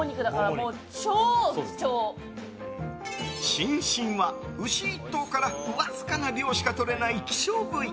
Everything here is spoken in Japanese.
シンシンは牛１頭からわずかな量しか取れない希少部位。